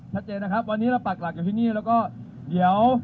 ชัดเจนนะครับวันนี้เราปักหลักอยู่ที่นี่แล้วก็เดี๋ยว